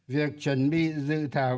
việc chuẩn bị dự thảo